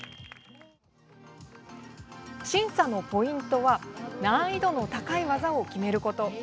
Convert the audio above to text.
審査のポイントは難易度の高い技を決めること。